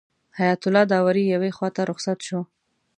حیات الله داوري یوې خواته رخصت شو.